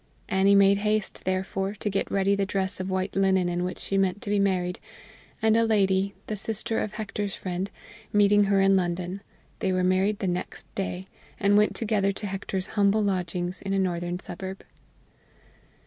Annie made haste, therefore, to get ready the dress of white linen in which she meant to be married, and a lady, the sister of Hector's friend, meeting her in London, they were married the next day, and went together to Hector's humble lodgings in a northern suburb.